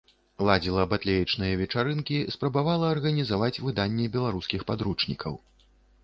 Ладзіла батлеечныя вечарынкі, спрабавала арганізаваць выданне беларускіх падручнікаў.